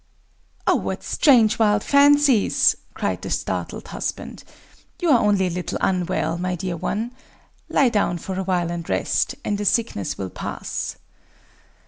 "Oh! what strange wild fancies!" cried the startled husband,—"you are only a little unwell, my dear one!... lie down for a while, and rest; and the sickness will pass."...